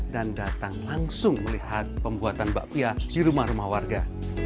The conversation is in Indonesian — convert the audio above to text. dan datang langsung melihat pembuatan bakpia di rumah rumah warga